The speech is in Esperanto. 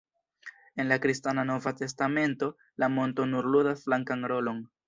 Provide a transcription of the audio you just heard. En la kristana Nova Testamento la monto nur ludas flankan rolon.